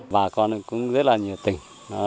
bà con cũng rất là nhiều tỉnh